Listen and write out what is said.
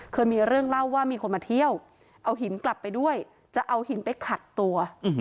เคยมีเรื่องเล่าว่ามีคนมาเที่ยวเอาหินกลับไปด้วยจะเอาหินไปขัดตัว